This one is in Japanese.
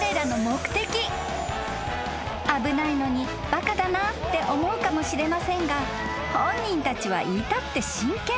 ［危ないのにバカだなって思うかもしれませんが本人たちは至って真剣］